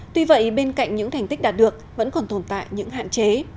tuy vậy bên cạnh những thành tích đạt được vẫn còn tồn tại những hạn chế